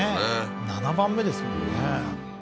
７番目ですもんね